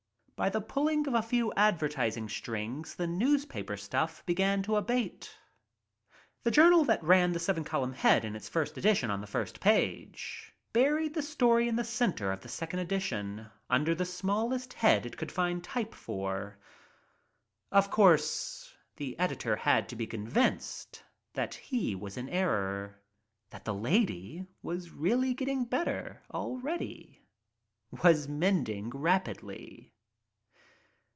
By the pulling of a few advertis ing strings the newspaper stuff began to abate, journal that ran the seven column head in its first edition on the first page buried the story in the center of the second edition under the smallest head it could find type for. Of course, the editor had been convinced that he was in error, that the lady was really getting better ■was mending rapidly.